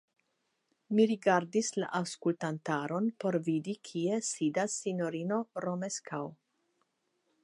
Mi rigardis la aŭskultantaron por vidi, kie sidas sinjorino Romeskaŭ.